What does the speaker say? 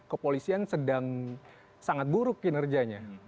kepolisian sedang sangat buruk kinerjanya